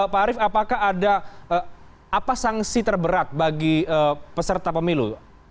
pak arief apakah ada apa sanksi terberat bagi peserta pemilu